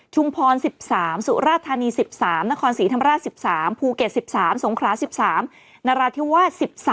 พร๑๓สุราธานี๑๓นครศรีธรรมราช๑๓ภูเก็ต๑๓สงครา๑๓นราธิวาส๑๓